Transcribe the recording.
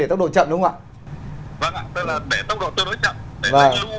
vâng ạ tức là để tốc độ tương đối chậm